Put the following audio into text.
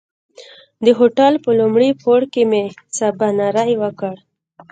د هوټل په لومړي پوړ کې مو سباناری وکړ.